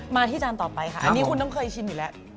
มาที่จานต่อไปค่ะอันนี้คุณต้องเคยชิมอยู่แล้ว